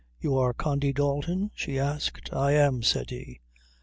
"You are Condy Dalton?" she asked. "I am," said he.